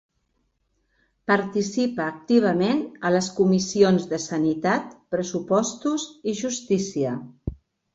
Participa activament a les Comissions de Sanitat, Pressupostos i Justícia.